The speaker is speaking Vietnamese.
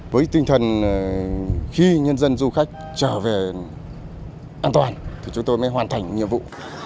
với tinh thần khi nhân dân du khách trở về an toàn thì chúng tôi mới hoàn thành nhiệm vụ